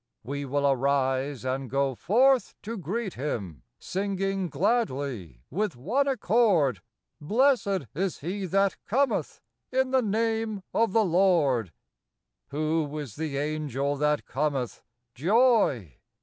We will arise and go forth to greet him, Singly, gladly, with one accord :—" Blessed is he that cometh In the name of the Lord !" 11. Who is the Angel that cometh ? Joy!